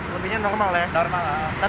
lebihnya normal ya